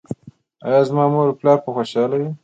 ایا زما مور او پلار به خوشحاله وي؟